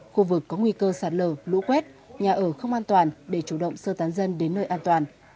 khu vực có nguy cơ sạt lở lũ quét nhà ở không an toàn để chủ động sơ tán dân đến nơi an toàn